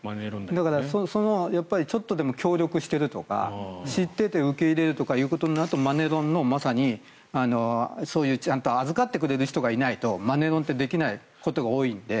だから、ちょっとでも協力しているとか知っていて受け入れるとなるとマネロンのまさにそういう、ちゃんと預かってくれる人がいないとマネロンってできないことが多いので。